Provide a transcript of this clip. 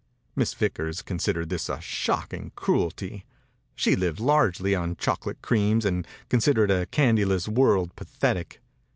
Miss Vickers considered this a shocking cruelty. She lived largely on chocolate creams and considered a candyless world pathetic.